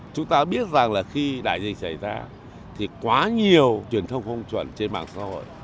chúng ta biết rằng là khi đại dịch xảy ra thì quá nhiều truyền thông không chuẩn trên mạng xã hội